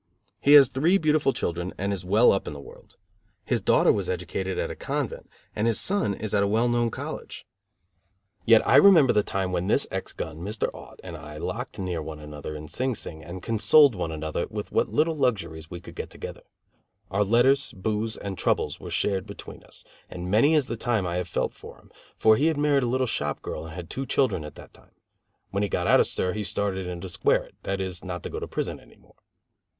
He has three beautiful children and is well up in the world. His daughter was educated at a convent, and his son is at a well known college. Yet I remember the time when this ex gun, Mr. Aut, and I, locked near one another in Sing Sing and consoled one another with what little luxuries we could get together. Our letters, booze and troubles were shared between us, and many is the time I have felt for him; for he had married a little shop girl and had two children at that time. When he got out of stir he started in to square it, that is, not to go to prison any more.